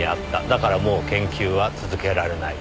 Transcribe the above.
だからもう研究は続けられない。